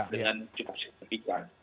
dengan cukup signifikan